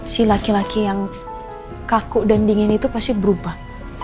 si laki laki yang kaku dan dingin itu pasti berubah